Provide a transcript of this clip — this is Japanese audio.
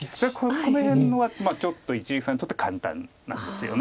この辺のはちょっと一力さんにとって簡単なんですよね。